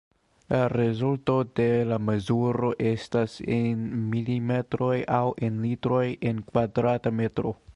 La rezulto de la mezuro estas en milimetroj aŭ en litroj en kvadrata metro.